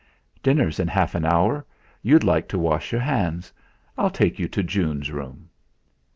"Dinner's in half an hour. You'd like to wash your hands! I'll take you to June's room."